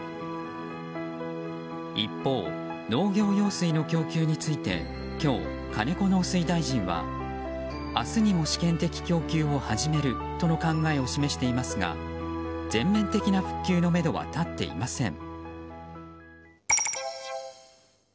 一方、農業用水の供給について今日、金子農水大臣は明日にも試験的供給を始めるとの考えを示していますが全面的な復旧のめどは立っていません。